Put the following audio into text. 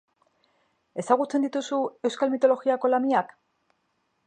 Ezagutzen dituzu euskal mitologiako lamiak?